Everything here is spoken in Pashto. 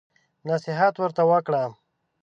نصيحت ورته وکړه.